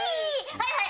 はいはい。